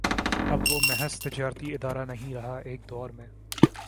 اب وہ محض تجارتی ادارہ نہیں رہا ایک دور میں